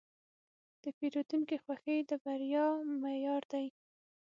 د پیرودونکي خوښي د بریا معیار دی.